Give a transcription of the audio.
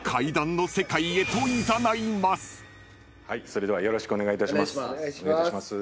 それではよろしくお願いいたします。